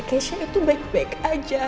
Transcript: cashnya itu baik baik aja